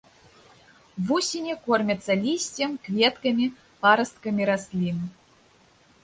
Вусені кормяцца лісцем, кветкамі, парасткамі раслін.